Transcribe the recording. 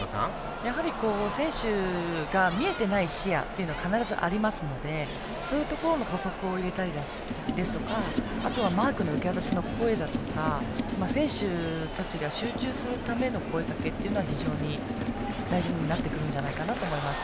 やはり選手が見えていない視野が必ずありますのでそういうところの補足を入れたりですとかあとはマークの受け渡しの声だとか選手たちが集中するための声かけは非常に大事になってくると思います。